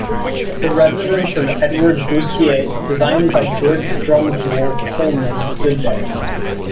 The residence of Edward Boustead designed by George Drumgoole Coleman stood there.